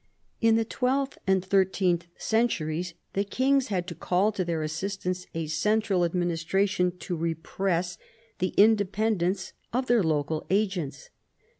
In the twelfth and thirteenth centuries the kings had to call to their assistance a central administra tion to repress the independence of their local agents.